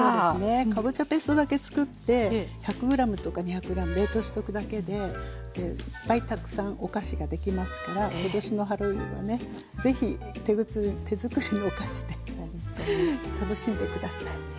かぼちゃペーストだけつくって１００ｇとか２００ｇ冷凍しておくだけでいっぱいたくさんお菓子ができますから今年のハロウィーンはね是非手づくりのお菓子で楽しんで下さい。